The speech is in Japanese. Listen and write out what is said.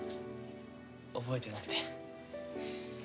覚えてなくて。